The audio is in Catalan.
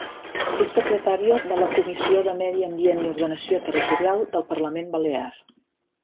És secretària de la Comissió de Medi Ambient i Ordenació Territorial del Parlament Balear.